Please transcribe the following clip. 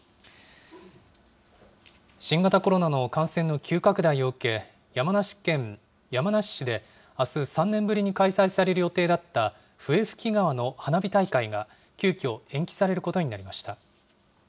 新型コロナの感染の急拡大を受け、山梨県山梨市であす、３年ぶりに開催される予定だった笛吹川の花火大会が急きょ、延期